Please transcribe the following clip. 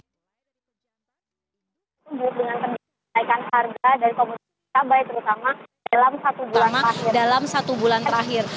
dengan kenaikan harga dari kompetensi cabai terutama dalam satu bulan terakhir